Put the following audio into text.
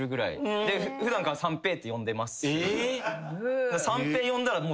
で普段から三平って呼んでます。